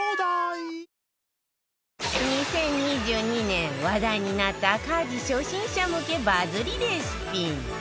２０２２年話題になった家事初心者向けバズりレシピ